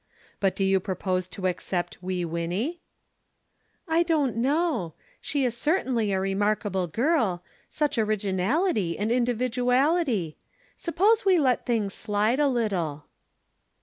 "But do you propose to accept Wee Winnie?" "I don't know she is certainly a remarkable girl. Such originality and individuality! Suppose we let things slide a little."